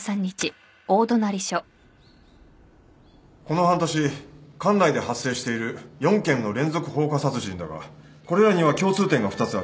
この半年管内で発生している４件の連続放火殺人だがこれらには共通点が２つある。